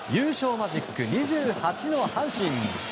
マジック２８の阪神。